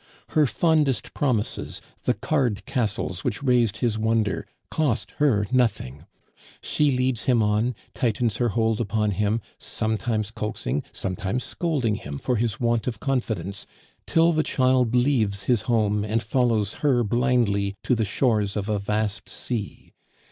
Her fondest promises, the card castles which raised his wonder, cost her nothing; she leads him on, tightens her hold upon him, sometimes coaxing, sometimes scolding him for his want of confidence, till the child leaves his home and follows her blindly to the shores of a vast sea.